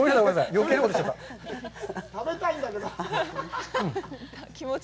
余計なことしちゃった。